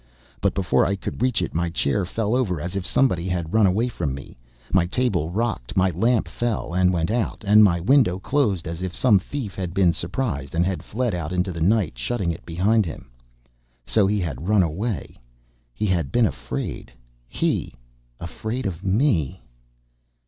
But before I could reach it, my chair fell over as if somebody had run away from me ... my table rocked, my lamp fell and went out, and my window closed as if some thief had been surprised and had fled out into the night, shutting it behind him. So he had run away: he had been afraid; he, afraid of me!